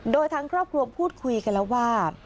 โดยทางครอบครัวพูดคุยกันแล้วว่า